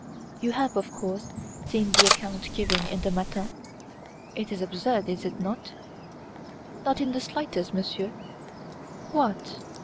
You have, of course, seen the account given in the 'Matin'? It is absurd, is it not?" "Not in the slightest, Monsieur." "What!